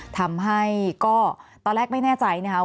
ทำให้ก็ตอนแรกไม่แน่ใจนะครับ